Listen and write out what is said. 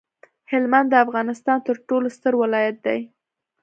هلمند د افغانستان ترټولو ستر ولایت دی